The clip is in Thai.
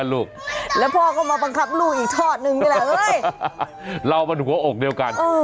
ลองบันหัวอกเดียวกัน